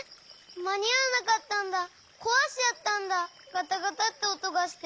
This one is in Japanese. ガタガタっておとがして。